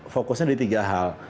fokusnya di tiga hal